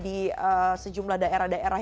di sejumlah daerah daerah